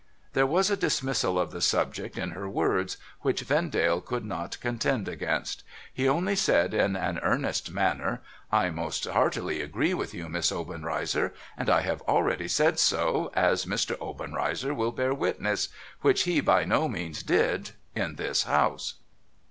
There was a dismissal of the subject in her words, which Vendale could not contend against. He only said in an earnest manner, ' I most heartily agree with you, Miss Obenreizer, and I have already said so, as Mr. Obenreizer will bear witness,' which he by no means did, ' in this house.'